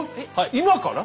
今から？